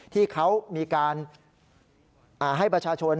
ที่เขามีการให้ประชาชน